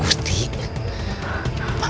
baik aku datang